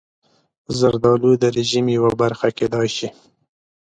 زردالو د رژیم یوه برخه کېدای شي.